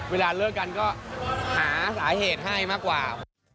เวลาเลิกกันก็หาสาเหตุให้มากกว่า